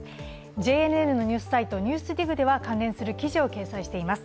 ＪＮＮのニュースサイト「ＮＥＷＳＤＩＧ」では関連する記事を掲載しています